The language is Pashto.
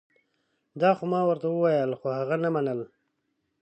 دا خو ما ورته وویل خو هغه نه منل